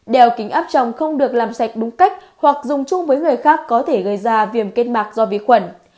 đèo kính áp chồng không được làm sạch đúng cách hoặc dùng chung với người khác có thể gây ra viêm kết mạc do vi khuẩn